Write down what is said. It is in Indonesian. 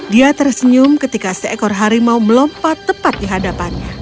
dia tersenyum ketika seekor harimau melompat tepat di hadapannya